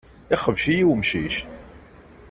Ixbec-iyi umcic.